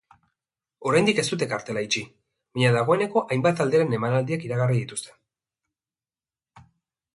Oraindik ez dute kartela itxi, baina dagoeneko hainbat talderen emanaldiak iragarri dituzte.